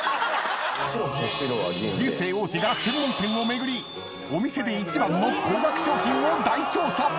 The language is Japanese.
［流星王子が専門店を巡りお店で一番の高額商品を大調査］